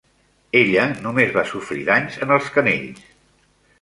Ella només va sofrir danys en els canells.